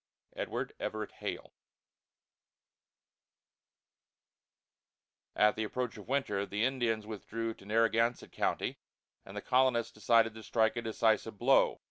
EDWARD EVERETT HALE. At the approach of winter, the Indians withdrew to the Narragansett country, and the colonists decided to strike a decisive blow.